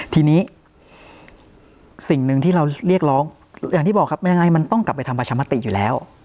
ทีนี้สิ่งหนึ่งที่เราเรียกร้องอย่างที่บอกครับยังไงมันต้องกลับไปทำประชามติอยู่แล้ว